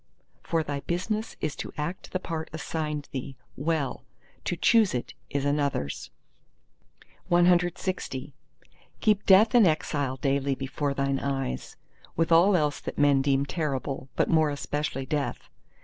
For thy business is to act the part assigned thee, well: to choose it, is another's. CLXI Keep death and exile daily before thine eyes, with all else that men deem terrible, but more especially Death.